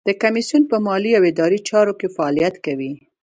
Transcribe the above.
د کمیسیون په مالي او اداري چارو کې فعالیت کوي.